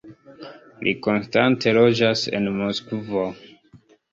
Li konstante loĝas en Moskvo.